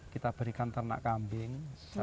kita berikan ternak kambing